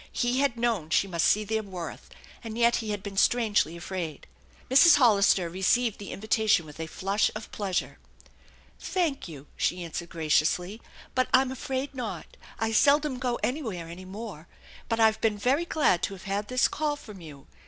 He had known she must see their worth, and yet he had been strangely afraid. Mrs. Hollister received the invitation with a flush of pleasure. " Thank you," she answered graciously, " I'm afraid not. I seldom go anywhere any more. But I've been very glad to have had this call from you.